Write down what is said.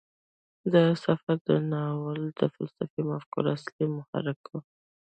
دا سفر د ناول د فلسفي مفکورو اصلي محرک و.